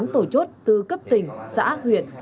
chín trăm bảy mươi tám tổ chốt từ cấp tỉnh xã huyện